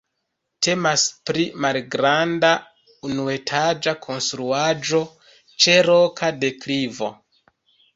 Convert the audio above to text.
Temas pri malgranda, unuetaĝa konstruaĵo ĉe roka deklivo.